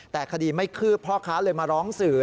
แต่คดีไม่คืบพ่อค้าเลยมาร้องสื่อ